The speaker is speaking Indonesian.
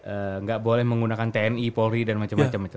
enggak boleh menggunakan tni polri dan macam macam gitu